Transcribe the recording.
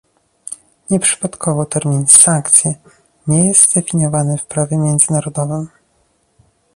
Nieprzypadkowo termin "sankcje" nie jest zdefiniowany w prawie międzynarodowym